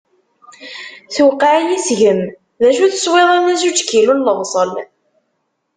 Tuqeɛ-iyi seg-m! D acu teswiḍ, ala juǧ kilu n lebṣel.